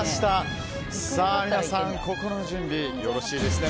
皆さん、心の準備よろしいですね。